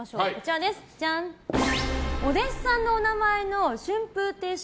お弟子さんのお名前の春風亭昇